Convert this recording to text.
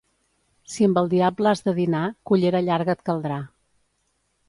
Si amb el diable has de dinar, cullera llarga et caldrà.